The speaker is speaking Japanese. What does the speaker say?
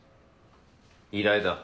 依頼だ。